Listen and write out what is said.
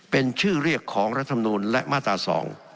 เป็นชื่อเรียกของรัฐมนูลและมาตรา๒